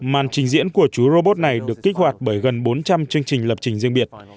màn trình diễn của chú robot này được kích hoạt bởi gần bốn trăm linh chương trình lập trình riêng biệt